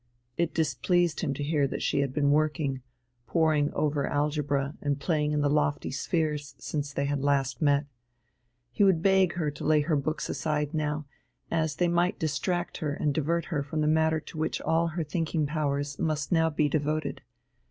It displeased him to hear that she had been working, poring over algebra and playing in the lofty spheres since they had last met. He would beg her to lay her books aside now, as they might distract her and divert her from the matter to which all her thinking powers must now be devoted.